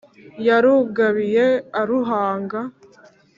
yarugabiye aruhanga